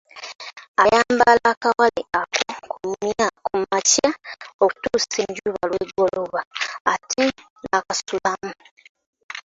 Ayambala akawale ako ku makya okutuusa enjuba lw’egolooba, ate n’akasulamu.